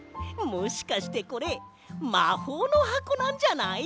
もしかしてこれまほうのはこなんじゃない？